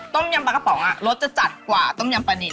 ต้มยำปลากระป๋องรสจะจัดกว่าต้มยำปลานิน